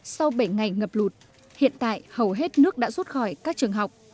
sau bảy ngày ngập lụt hiện tại hầu hết nước đã rút khỏi các trường học